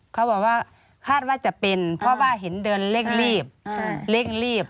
เขาบอกว่าคาดว่าจะเป็นเพราะว่าเห็นเดินเร่งรีบเร่งรีบ